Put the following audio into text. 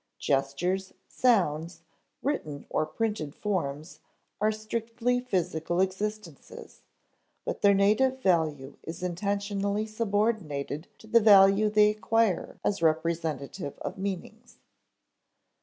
Gestures, sounds, written or printed forms, are strictly physical existences, but their native value is intentionally subordinated to the value they acquire as representative of meanings.